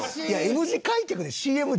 いやＭ字開脚で。